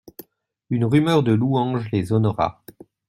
Une rumeur de louanges les honora.